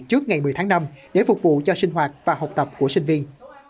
trước ngày một mươi tháng năm để phục vụ cho sinh hoạt và học tập của sinh viên